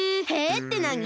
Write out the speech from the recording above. ってなに！？